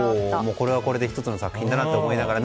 これはこれで１つの作品だと思いながら。